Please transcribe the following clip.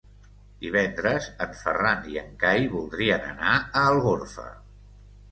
Divendres en Ferran i en Cai voldrien anar a Algorfa.